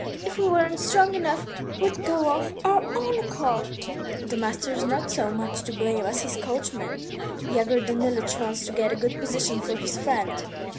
If we weren't strong enough, we'd go of our own accord." "The master's not so much to blame as his coachman. Yegor Danilych wants to get a good position for his friend."